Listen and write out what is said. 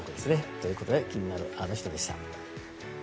ということで気になるアノ人でした。